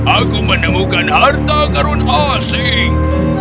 aku menemukan harta karun asing